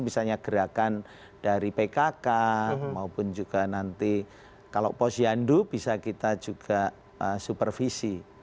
misalnya gerakan dari pkk maupun juga nanti kalau posyandu bisa kita juga supervisi